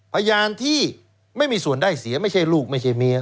พยานที่ไม่มีส่วนได้เสียไม่ใช่ลูกไม่ใช่เมีย